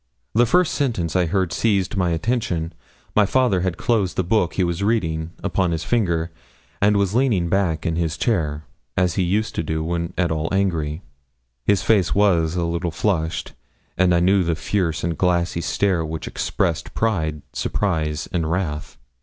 The first sentence I heard seized my attention; my father had closed the book he was reading, upon his finger, and was leaning back in his chair, as he used to do when at all angry; his face was a little flushed, and I knew the fierce and glassy stare which expressed pride, surprise, and wrath.